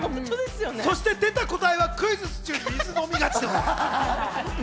そして出た答えはクイズッス中に水飲みがち。